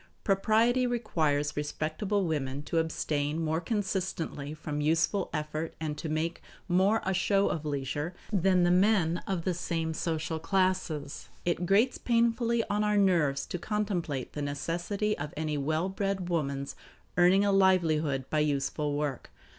Propriety requires respectable women to abstain more consistently from useful effort and to make more of a show of leisure than the men of the same social classes. It grates painfully on our nerves to contemplate the necessity of any well bred woman's earning a livelihood by useful work.